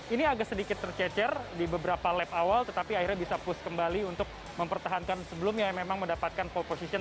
ini agak sedikit tercecer di beberapa lap awal tetapi akhirnya bisa push kembali untuk mempertahankan sebelumnya yang memang mendapatkan pole position